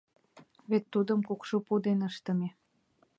— Вет тудым кукшо пу дене ыштыме.